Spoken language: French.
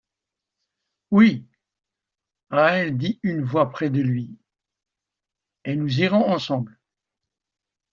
Oui, Raë! dit une voix près de lui, et nous irons ensemble !